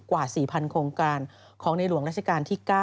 กว่า๔๐๐โครงการของในหลวงราชการที่๙